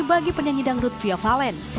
bagi penyanyi dangdut fia valen